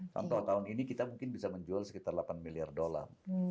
contoh tahun ini kita mungkin bisa menjual sekitar delapan miliar dolar